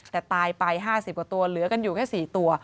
แต่ตายไป๕๐กว่าตัวเหลือกันอยู่แค่๔ตัว